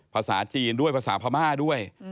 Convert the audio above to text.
ภาษาจีนด้วยภาษาพม่าด้วย